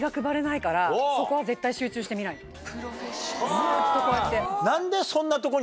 ずっとこうやって。